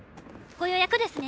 ご予約ですね。